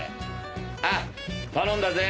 ああ頼んだぜ！